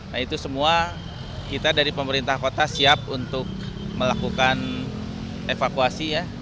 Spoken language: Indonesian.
nah itu semua kita dari pemerintah kota siap untuk melakukan evakuasi ya